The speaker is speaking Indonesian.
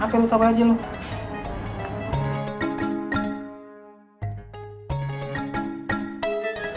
apa yang lo tau aja lo